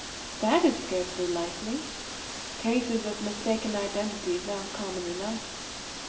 "That is scarcely likely." "Cases of mistaken identity are common enough.